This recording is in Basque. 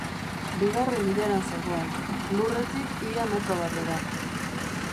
Bigarren ilaran zegoen, lurretik ia metro batera.